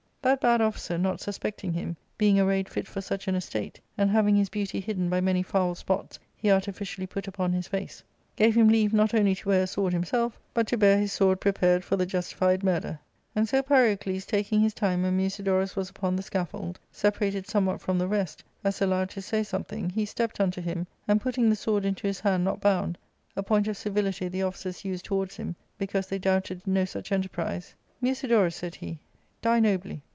That bad officer not suspecting him, being arrayed fit for such an estate, and \. having his beauty hidden by many foul spots he artificially *\ put upon his face, gave him leave not only to wear a sword \ himself, but to bear his sword prepared for the justified murder. And so Pyrocles taking his time when Musidorus was upon the scaffold, separated somewhat from the rest, as allowed to say something, he stept unto him, and, putting the sword into his hand not bound, a point of civility the officers used towards him, because they doubted no such enterprise, * Musidorus,' said he, *die nobly.'